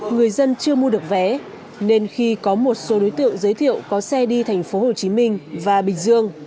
người dân chưa mua được vé nên khi có một số đối tượng giới thiệu có xe đi thành phố hồ chí minh và bình dương